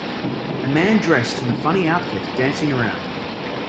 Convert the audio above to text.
A man dressed in a funny outfit dancing around.